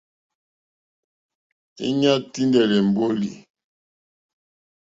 Íɲá î tíndɛ́lɛ́ èmbólì.